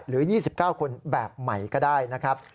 หรือ๒๙คนแบบใหม่ก็ได้นะครับ